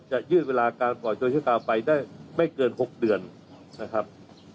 ยืดเวลาการปล่อยตัวชั่วคราวไปได้ไม่เกิน๖เดือนนะครับ